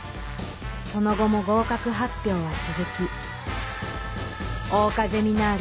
その後も合格発表は続き桜花ゼミナール